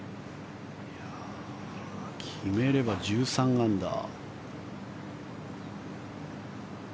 決めれば１３アンダー。